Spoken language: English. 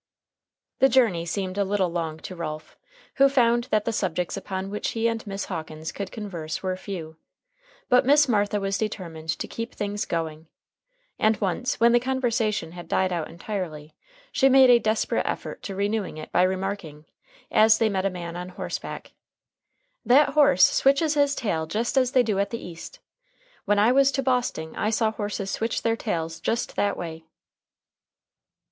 The journey seemed a little long to Ralph, who found that the subjects upon which he and Miss Hawkins could converse were few; but Miss Martha was determined to keep things going, and once, when the conversation had died out entirely, she made a desperate effort to renew it by remarking, as they met a man on horseback, "That horse switches his tail just as they do at the East. When I was to Bosting I saw horses switch their tails just that way."